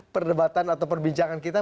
perdebatan atau perbincangan kita